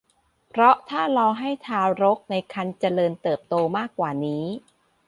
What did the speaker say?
เพราะถ้ารอให้ทารกในครรภ์เจริญเติบโตมากกว่านี้